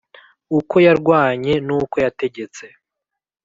uko yarwanye n’uko yategetse